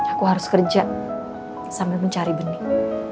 aku harus kerja sambil mencari benih